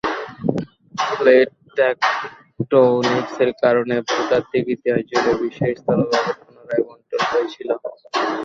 Plate টেকটোনিক্স-এর কারণে, ভূতাত্ত্বিক ইতিহাস জুড়ে বিশ্বের স্থলভাগের পুনরায় বণ্টন হয়েছিল।